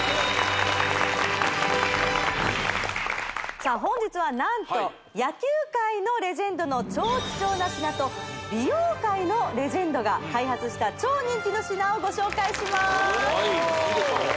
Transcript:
さあ本日はなんと野球界のレジェンドの超貴重な品と美容界のレジェンドが開発した超人気の品をご紹介します